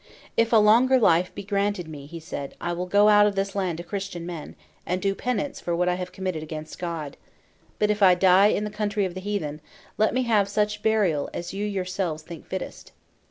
"If a longer life be granted me," he said, "I will go out of this land to Christian men, and do penance for what I have committed against God. But if I die in the country of the heathen, let me have such burial as you yourselves think fittest."